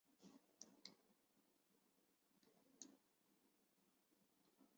四带枣螺为枣螺科枣螺属的动物。